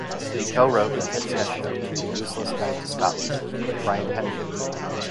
He co-wrote the hit sketch show 'The Useless Guide to Scotland' with Brian Hennigan.